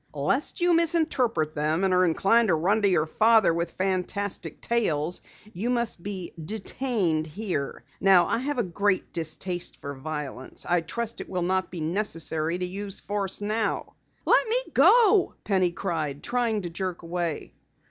"Lest you misinterpret them, and are inclined to run to your father with fantastic tales, you must be detained here. Now I have a great distaste for violence. I trust it will not be necessary to use force now." "Let me go," Penny cried, trying to jerk away.